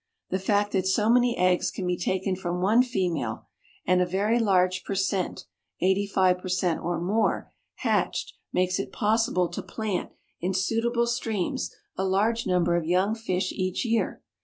The fact that so many eggs can be taken from one female and a very large per cent (eighty five per cent or more) hatched makes it possible to plant, in suitable streams, a large number of young fish each year.